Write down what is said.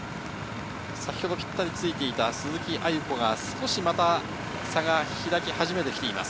先ほどぴったりついていた鈴木亜由子が、少し差が開き始めています。